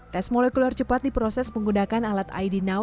tes molekuler cepat di proses penggunakan alat id now